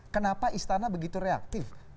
kenapa istana begitu reaktif